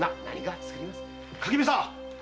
垣見さん！